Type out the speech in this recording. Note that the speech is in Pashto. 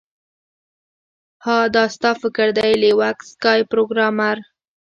ها دا ستا فکر دی لیوک سکای پروګرامر